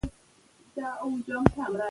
چېرته خلک ویډیوګانې ګوري؟